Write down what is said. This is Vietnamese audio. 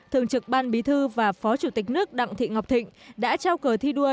thường trực ban bí thư và phó chủ tịch nước đặng thị ngọc thịnh đã trao cờ thi đua